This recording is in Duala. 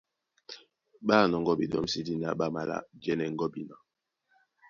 Ɓá nɔŋgɔ́ ɓeɗǒmsédí ná ɓá malá jɛ́nɛ gɔ́bina.